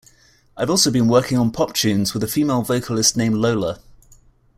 I've also been working on pop tunes with a female vocalist named Lola.